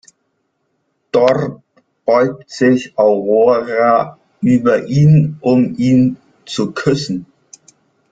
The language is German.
Dort beugt sich Aurora über ihn, um ihn zu küssen.